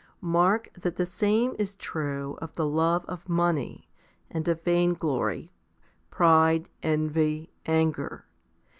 Mark that the same is true of the love of money, and of vain glory, pride, envy, anger.